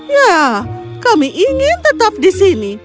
ya kami ingin tetap di sini